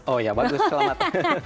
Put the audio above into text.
oh ya bagus selamat